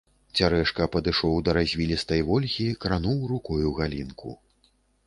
Цярэшка падышоў да развілістай вольхі, крануў рукою галінку.